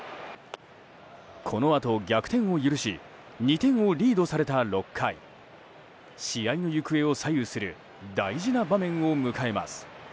このあと逆転を許し２点をリードされた６回試合の行方を左右する大事な場面を迎えます。